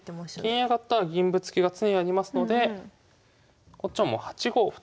金上がったら銀ぶつけが常にありますのでこっちはもう８五歩と。